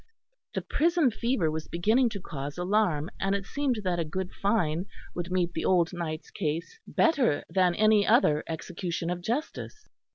The prison fever was beginning to cause alarm, and it seemed that a good fine would meet the old knight's case better than any other execution of justice.